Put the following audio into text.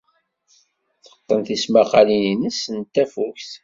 Teqqen tismaqalin-nnes n tafukt.